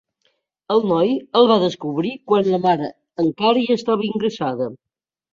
El noi el va descobrir quan la mare encara hi estava ingressada.